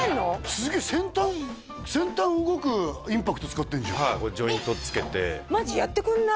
すげえ先端動くインパクト使ってんじゃんはいこれジョイント付けてマジやってくんない？